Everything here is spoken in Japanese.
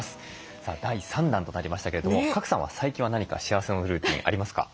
さあ第３弾となりましたけれども賀来さんは最近は何か幸せのルーティンありますか？